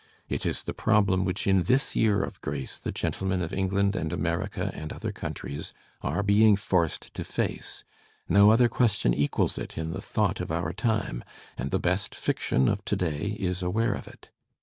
It is the problem which in this year of grace the gentlemen of England and America and other countries, are being forced to face; no other question equals it in the thought of our time, and the best fiction of to day is aware of it.